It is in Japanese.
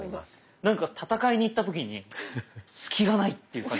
なんか戦いに行った時に隙がないっていう感じ。